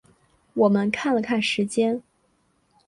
我们看了看时间